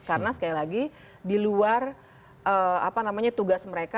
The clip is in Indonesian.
karena sekali lagi di luar tugas mereka